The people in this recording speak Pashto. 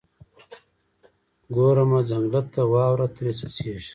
ګورمه ځنګله ته، واوره ترې څڅیږي